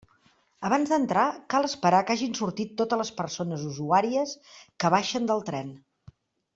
Abans d'entrar, cal esperar que hagin sortit totes les persones usuàries que baixen del tren.